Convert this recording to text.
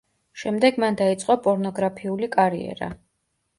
შემდეგ მან დაიწყო პორნოგრაფიული კარიერა.